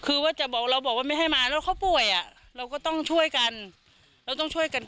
คือว่าจะบอกเราบอกว่าไม่ให้มาแล้วเขาป่วยอ่ะเราก็ต้องช่วยกันเราต้องช่วยกัน